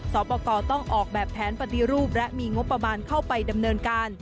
สอบประกอบต้องออกแบบแผนปฏิรูปและมีงบประมาณเข้าไปดำเนินการ